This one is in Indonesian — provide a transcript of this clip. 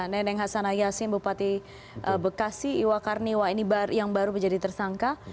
neneng hasanayasin bupati bekasi iwa karniwa ini yang baru menjadi tersangka